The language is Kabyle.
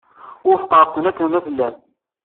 Wufqeɣ-ken akken ma tellam.